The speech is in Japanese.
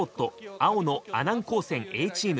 青の阿南高専Ａチーム。